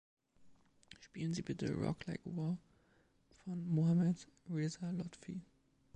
Spielen Sie bitte „Rock like war“ von Mohammad Reza Lotfi.